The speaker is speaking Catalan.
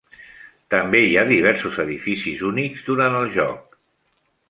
També hi ha diversos edificis únics durant el joc.